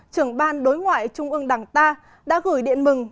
trưởng ban đối ngoại trung ương đảng ta đã gửi điện mừng